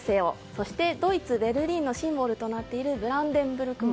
そして、ドイツ・ベルリンのシンボルとなっているブランデンブルク門。